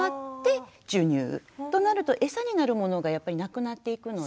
となると餌になるものがやっぱりなくなっていくので。